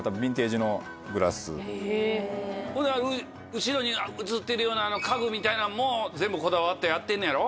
後ろに写ってるような家具みたいなんも全部こだわってやってんねやろ？